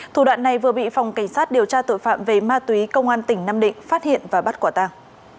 thủ đoạn này vừa bị phòng cảnh sát điều tra tội phạm về ma túy công an tỉnh nam định phát hiện và bắt quả tàng